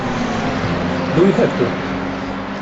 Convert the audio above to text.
Do we have to?